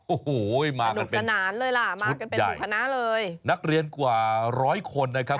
โอ้โหมากันเป็นชุดใหญ่นักเรียนกว่าร้อยคนนะครับ